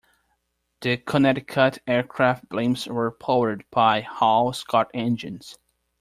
The Connecticut Aircraft blimps were powered by Hall-Scott engines.